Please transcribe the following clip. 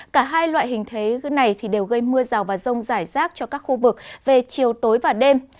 cả hai loại hình thế này đều gây mưa rào và rông rải rác cho các khu vực về chiều tối và đêm